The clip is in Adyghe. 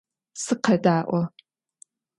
Сыкъэдаӏо!